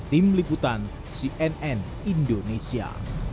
tim liputan cnn indonesia